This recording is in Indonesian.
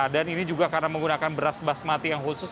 dan ini juga karena menggunakan beras basmati yang khusus